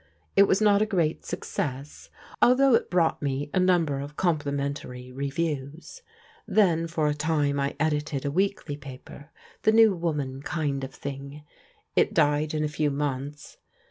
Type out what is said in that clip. It was not a great success, although it brought me a number of compli mentary reviews. Then for a time I edited a weekly paper, the * New Woman * kind of thing. It died in a few months.